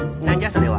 それは。